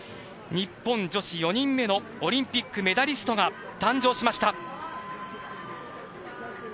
日本女子４人目のオリンピックメダリストが誕生しました。